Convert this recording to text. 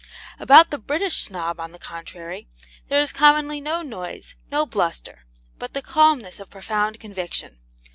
About the British Snob, on the contrary, there is commonly no noise, no bluster, but the calmness of profound conviction.